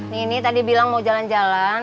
nini tadi bilang mau jalan jalan